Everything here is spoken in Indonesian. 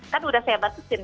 kan udah saya batasin